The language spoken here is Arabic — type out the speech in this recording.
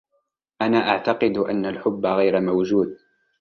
أنا أعتقد أن الحب غير موجود.